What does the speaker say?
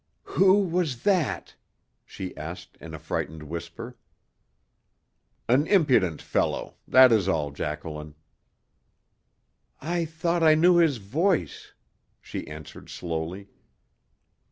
"Who was that?" she asked in a frightened whisper. "An impudent fellow that is all, Jacqueline." "I thought I knew his voice," she answered slowly.